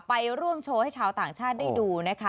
ไปร่วมโชว์ให้ชาวต่างชาติได้ดูนะคะ